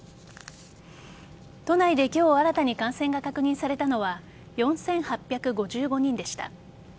都内で今日新たに感染が確認されたのは４８５５人でした。